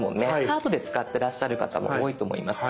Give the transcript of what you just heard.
カードで使ってらっしゃる方も多いと思います。